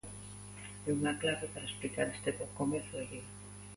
E unha clave para explicar este bo comezo de Liga.